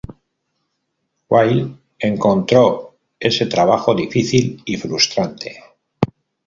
Wiles encontró ese trabajo difícil y frustrante.